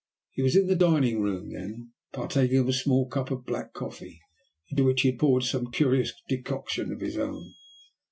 He was in the dining room then, partaking of a small cup of black coffee, into which he had poured some curious decoction of his own.